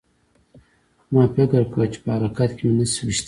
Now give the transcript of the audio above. ما فکر کاوه چې په حرکت کې مې نشي ویشتلی